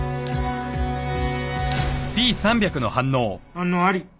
反応あり。